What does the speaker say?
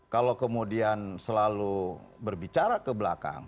kalau kemudian selalu berbicara ke belakang